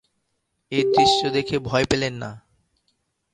এ দৃশ্য দেখে ভয় পেলেন না।